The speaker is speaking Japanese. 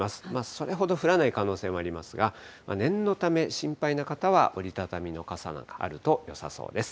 それほど降らない可能性もありますが、念のため、心配な方は折り畳みの傘なんかあるとよさそうです。